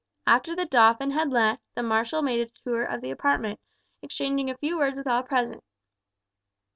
After the dauphin had left, the marshal made the tour of the apartment, exchanging a few words with all present.